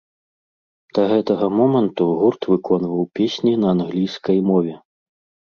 Да гэтага моманту гурт выконваў песні на англійскай мове.